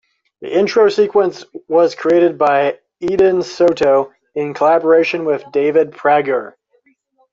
The intro sequence was created by Eden Soto in collaboration with David Prager.